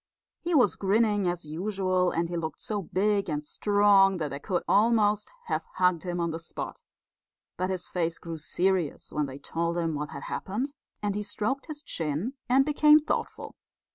He was grinning as usual, and he looked so big and strong that they could almost have hugged him on the spot; but his face grew serious when they told him what had happened, and he stroked his chin and became thoughtful.